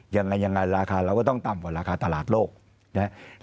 ยังไงยังไงราคาเราก็ต้องต่ำกว่าราคาตลาดโลกนะครับ